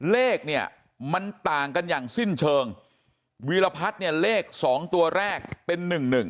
เลขเนี่ยมันต่างกันอย่างสิ้นเชิงวีรพัฒน์เนี่ยเลข๒ตัวแรกเป็น๑๑